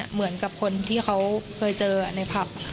เหมือนกับคนที่เขาเคยเจอในผับ